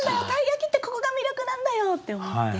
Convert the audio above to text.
鯛焼ってここが魅力なんだよ！って思って。